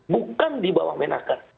bukan di bawah menaker